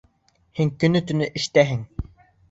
Һин көнө-төнө әштәһең.